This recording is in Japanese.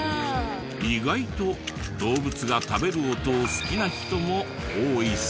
意外と動物が食べる音を好きな人も多いそうで。